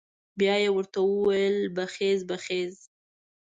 بيا یې ورته وويل بخېز بخېز.